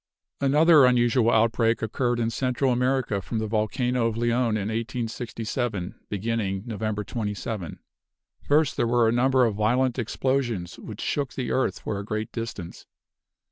Another unusual outbreak occurred in Central America from the volcano of Leon in 1867, beginning November 27. First there were a number of violent explosions, which shook the earth for a great distance.